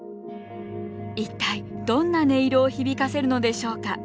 一体どんな音色を響かせるのでしょうか。